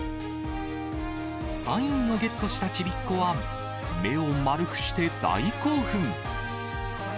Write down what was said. サインをゲットしたちびっ子は、目を丸くして大興奮。